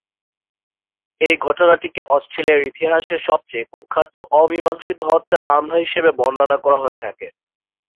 এই ঘটনাটিকে অস্ট্রেলিয়ার ইতিহাসে সবচেয়ে কুখ্যাত অমীমাংসিত হত্যার মামলা হিসেবে বর্ণনা করা হয়ে থাকে।